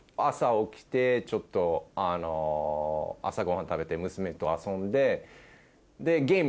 朝起きてちょっと朝ごはん食べて娘と遊んで。